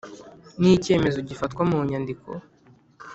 ni icyemezo gifatwa mu nyandiko